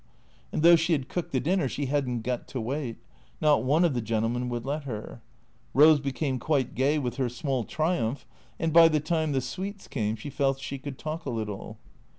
And though she had cooked the dinner, she had. n't got to wait. Not one of the gentlemen would let her. Eose became quite gay with her small triumph, and by the time the sweets came she felt that she could talk a little.